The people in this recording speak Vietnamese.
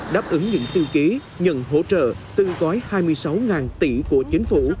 đáp ứng những tư ký nhận hỗ trợ từ gói hai mươi sáu tỷ của chính phủ